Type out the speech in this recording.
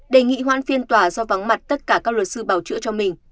đề nghị hoãn phiên tòa do vắng mặt tất cả các luật sư bảo chữa cho mình